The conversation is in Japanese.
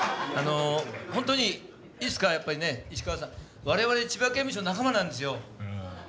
ほんとにいいですかやっぱりね石川さん我々千葉刑務所の仲間なんですよ。